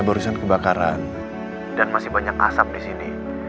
barusan kebakaran dan masih banyak asap di sini